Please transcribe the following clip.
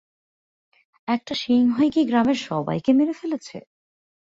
একটা সিংহই কি গ্রামের সবাইকে মেরে ফেলেছে?